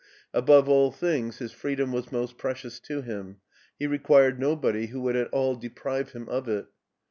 Above all things his free dom was most precious to him; he required nobody who would at all deprive him of it.